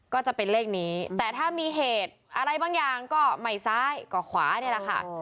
ก็จะเป็นเลขนี้แต่ถ้ามีเหตุอะไรบางอย่างก็ไม่ซ้ายก็ขวานี่แหละค่ะ